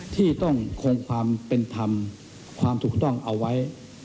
ที่ต้องคงความเป็นธรรมความถูกต้องเอาไว้